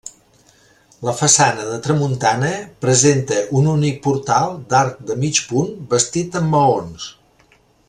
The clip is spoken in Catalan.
La façana de tramuntana presenta un únic portal d'arc de mig punt bastit en maons.